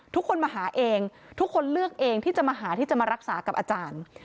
ทุกคนมาหาเองทุกคนเลือกเองที่จะมาหาที่จะมารักษากับอาจารย์